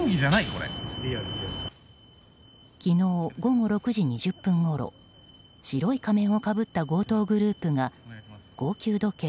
昨日午後６時２０分ごろ白い仮面をかぶった強盗グループが高級時計